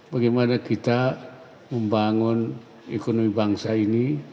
bagaimana kita membangun ekonomi bangsa ini